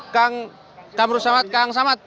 kang kamru samad